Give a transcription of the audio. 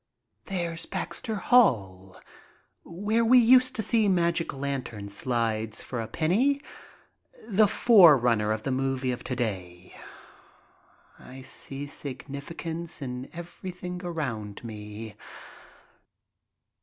There's Baxter Hall, where we used to see magic lantern slides for a penny. The forerunner of the movie of to day. I see significance in everything around me.